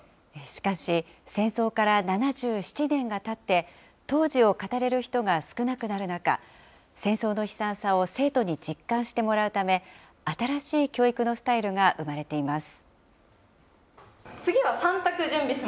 しかし、戦争から７７年がたって、当時を語れる人が少なくなる中、戦争の悲惨さを生徒に実感してもらうため、新しい教育のスタイルが生まれています。